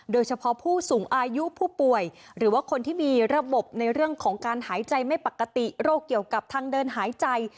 โดยเฉพาะผู้สูงอายุผู้ป่วยหรือว่าคนที่มีระบบในเรื่องของการหายใจไม่ปกติโรคเกี่ยวกับทางเดินหายใจ